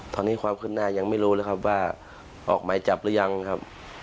ตอนนี้ความขึ้นหน้ายังไม่รู้เลยครับว่าออกหมายจับหรือยังครับ